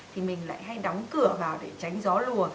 thì mình lại hay đóng cửa vào để tránh gió lùa